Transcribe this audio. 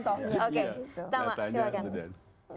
oke pertama silahkan